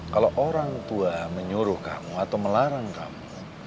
kalau orang tua menyuruh kamu atau melarang kamu